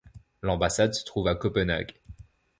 L'ambassade se trouve à Copenhague.